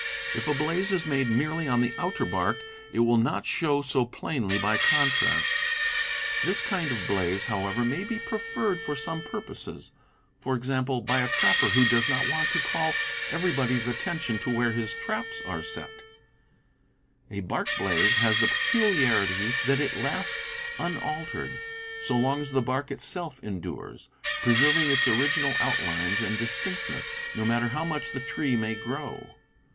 If a blaze is made merely on the outer bark, it will not show so plainly by contrast. This kind of blaze, 194 BLAZES, SURVEY LINES, ETC. 195 however, may be preferred for some purposes; for ex ample, by a trapper who does not want to call every body's attention to where his traps are set. A bark blaze has the peculiarity that it lasts unaltered, so long as the bark itself endures, preserving its original out lines and distinctness, no matter how much the tree may grow.